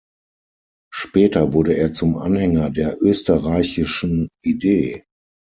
Später wurde er zum Anhänger der österreichischen Idee.